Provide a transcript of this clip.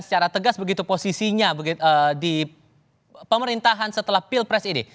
bagaimana menurut anda kalau kita menilai bahwa ini lagi nyinggung pdip bagaimana menurut anda